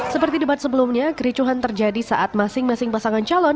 seperti debat sebelumnya kericuhan terjadi saat masing masing pasangan calon